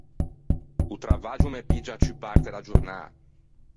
O travaggio o me piggia a ciù parte da giornâ.